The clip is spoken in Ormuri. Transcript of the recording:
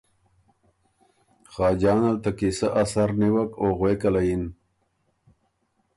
خاجان ال ته قیصۀ ا سر نیوک او غوېکه له یِن۔